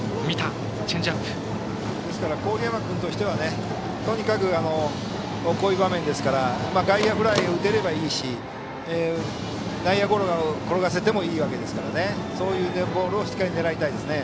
郡山君としてはとにかく、こういう場面ですから外野フライを打てればいいですし内野ゴロを転がしてもいいわけですからそういうボールをしっかり狙いたいですね。